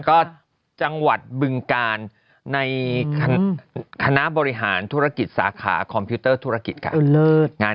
ก็จังหวัดบึงกาลในคณะบริหารธุรกิจสาขาคอมพิวเตอร์ธุรกิจกัน